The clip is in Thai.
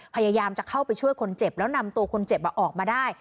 พยายามจะเข้าไปช่วยคนเจ็บแล้วนำตัวคนเจ็บออกมาได้